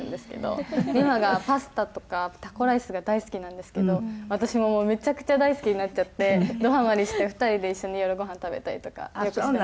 ＲＩＭＡがパスタとかタコライスが大好きなんですけど私ももうめちゃくちゃ大好きになっちゃってどハマりして２人で一緒に夜ごはん食べたりとかよくしてます。